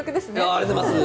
ありがとうございます。